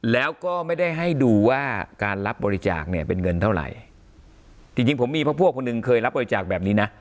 แล้วก็ไม่ได้ให้ดูว่าการรับบริจาคเนี่ยเป็นเงินเท่าไหร่จริงจริงผมมีพวกคนหนึ่งเคยรับบริจาคแบบนี้นะ